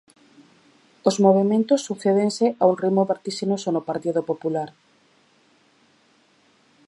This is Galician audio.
Os movementos sucédense a un ritmo vertixinoso no Partido Popular.